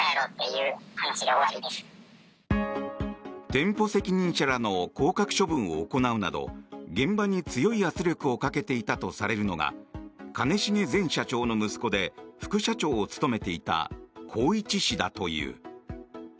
店舗責任者らの降格処分を行うなど現場に強い圧力をかけていたとされるのが兼重前社長の息子で副社長を務めていた宏一氏だという。